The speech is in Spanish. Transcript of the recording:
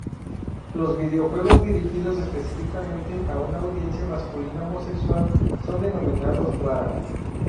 Los videojuegos dirigidos específicamente a una audiencia masculina homosexual son denominados "bara".